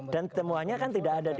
dan temuannya kan tidak ada di